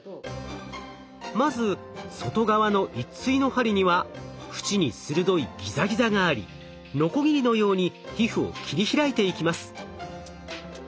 まず外側の一対の針には縁に鋭いギザギザがありノコギリのように皮膚を切り開いていきます。